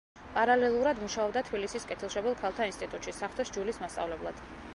პარალელურად მუშაობდა თბილისის კეთილშობილ ქალთა ინსტიტუტში საღვთო სჯულის მასწავლებლად.